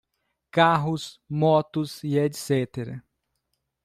Carros, Motos e etc.